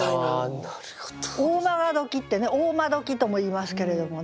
魔時ってね魔時ともいいますけれどもね